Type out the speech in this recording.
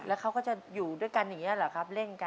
แล้วเขาก็จะอยู่ด้วยกันอย่างนี้หรอครับเล่นกัน